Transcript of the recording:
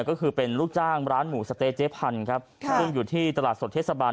ก็คือเป็นลูกจ้างร้านหมูสะเต๊เจ๊พันธุ์ครับซึ่งอยู่ที่ตลาดสดเทศบาล